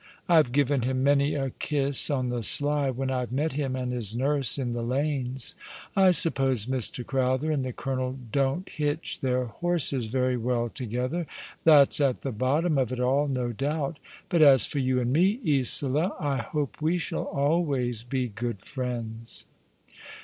I've given him many a kiss on the sly when I've met him and his nurse in the lanes. I suppose Mr. Crowther and the colonel don't hitch their horses very well together. That's at the bottom of it all, no doubt. But as for you and me, Tsola, I hope we shall always be good friends."